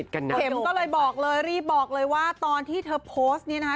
เข็มก็เลยบอกเลยรีบบอกเลยว่าตอนที่เธอโพสต์นี้นะคะ